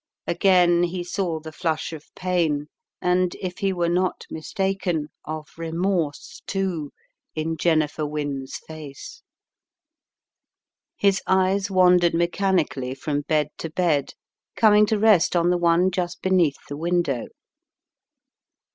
Again he saw the flush of pain, and if he were not mistaken of remorse too, in Jennifer Wynne's face. His eyes wandered mechanically from bed to 194 The Riddle of the Purple Emperor bed, coming lo rest on the one just beneath the window.